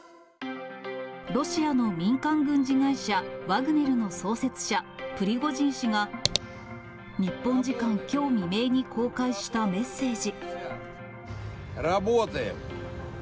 ロシアの民間軍事会社、ワグネルの創設者、プリゴジン氏が、日本時間きょう未明に公開したメッセージ。